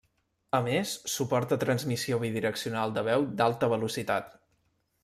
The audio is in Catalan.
A més, suporta transmissió bidireccional de veu d'alta velocitat.